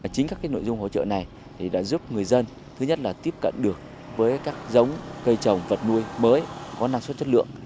chính các nội dung hỗ trợ này đã giúp người dân tiếp cận được với các giống cây trồng vật nuôi mới có năng suất chất lượng